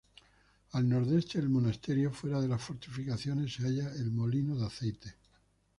Al nordeste del monasterio, fuera de las fortificaciones se halla el molino de aceite.